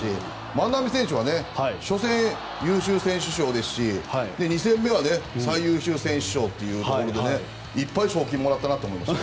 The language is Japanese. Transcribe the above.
万波選手は初戦優秀選手賞ですし２戦目は最優秀選手賞といっぱい賞金もらったなと思いました。